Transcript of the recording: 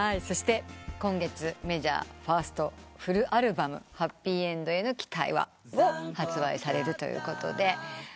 そして今月メジャーファーストフルアルバム『ハッピーエンドへの期待は』を発売されるということで。